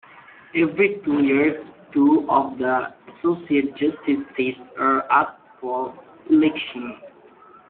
Every two years, two of the associate justice seats are up for election.